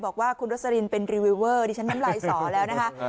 บอกว่าคุณโรสลินเป็นรีวิวเวอร์ดิฉันน้ำลายสอแล้วนะคะ